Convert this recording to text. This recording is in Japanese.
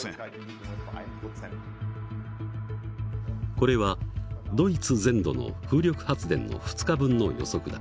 これはドイツ全土の風力発電の２日分の予測だ。